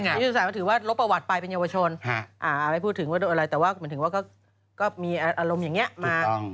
ยุทธศาสตร์ก็ถือว่าลบประวัติไปเป็นเยาวชนไม่พูดถึงว่าโดนอะไรแต่ว่าหมายถึงว่าก็มีอารมณ์อย่างนี้มา